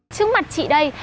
trước mặt chị đây